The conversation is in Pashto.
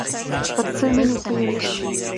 ترڅو وینې تویې نه شي